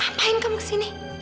hei ngapain kamu kesini